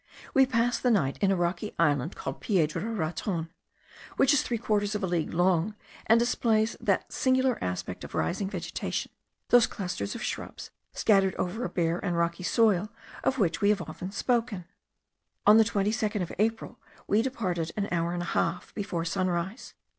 We passed the night in a rocky island called Piedra Raton, which is three quarters of a league long, and displays that singular aspect of rising vegetation, those clusters of shrubs, scattered over a bare and rocky soil, of which we have often spoken. On the 22nd of April we departed an hour and a half before sunrise.